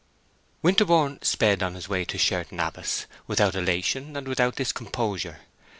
Winterborne sped on his way to Sherton Abbas without elation and without discomposure.